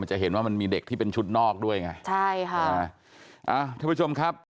จะเห็นว่ามันมีเด็กที่เป็นชุดนอกด้วยไงใช่ค่ะอ่าท่านผู้ชมครับ